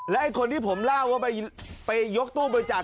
ไอ้คนที่ผมเล่าว่าไปยกตู้บริจาค